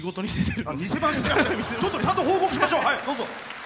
ちゃんと報告しましょう。